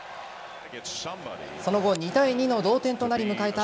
その後、２対２の同点となり迎えた